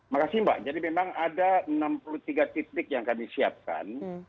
makasih mbak jadi memang ada enam puluh tiga titik yang kami siapkan